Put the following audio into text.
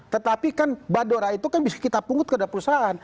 tetapi kan badora itu kan bisa kita pungut kepada perusahaan